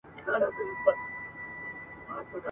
د غم او پاتا پر کمبله کښېناوه !.